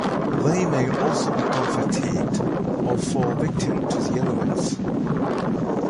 They may also become fatigued or fall victim to the elements.